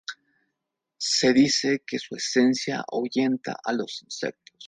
Se dice que su esencia ahuyenta a los insectos.